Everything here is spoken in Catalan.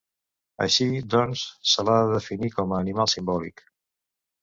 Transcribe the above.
Així, doncs, se l'ha de definir com a animal simbòlic.